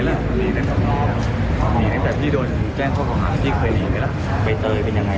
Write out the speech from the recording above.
เรื่องของผมเป็นเรื่องใหญ่นะ